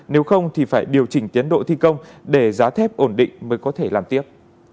nếu không thì phải điều chỉnh tiến độ thi công để giá thép ổn định mới có thể làm tiếp